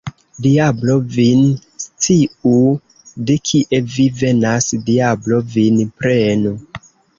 Diablo vin sciu, de kie vi venas, diablo vin prenu!